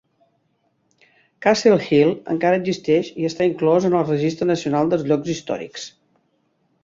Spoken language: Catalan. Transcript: Castle Hill encara existeix i està inclòs en el Registre Nacional de Llocs Històrics.